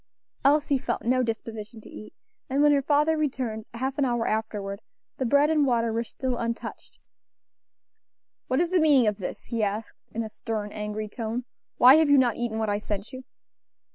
Elsie felt no disposition to eat; and when her father returned, half an hour afterward, the bread and water were still untouched. "What is the meaning of this?" he asked in a stern, angry tone; "why have you not eaten what I sent you?"